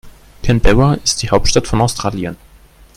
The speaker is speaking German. Canberra ist die Hauptstadt von Australien.